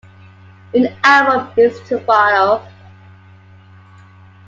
An album is to follow.